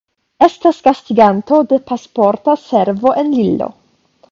Estas gastiganto de Pasporta Servo en Lillo.